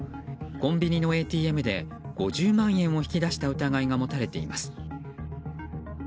コンビニのＡＴＭで５０万円を引き出した疑いが持たれています。